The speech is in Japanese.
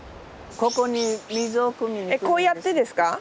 こうやってですか？